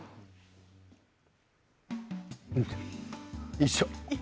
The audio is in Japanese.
一緒。